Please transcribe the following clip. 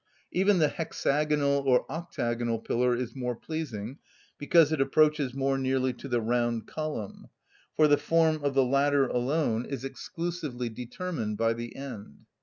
Even the hexagonal or octagonal pillar is more pleasing, because it approaches more nearly to the round column; for the form of the latter alone is exclusively determined by the end.